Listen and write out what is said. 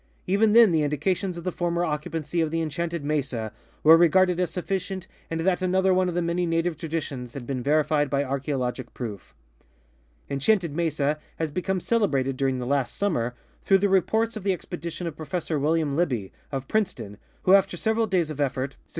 Even then the indications of the former occupancy of the En chanted Mesa were regarded as sufficient and that another one of many native traditions had been verified by archeologic proof. Enchanted Mesa has become celebrated during the last sum mer through the reports of the expedition of Prof. William Libbey, of Princeton, who, after several days of effort, succeeded in seal NAT.